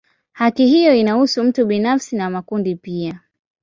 Haki hiyo inahusu mtu binafsi na makundi pia.